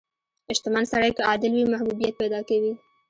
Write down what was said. • شتمن سړی که عادل وي، محبوبیت پیدا کوي.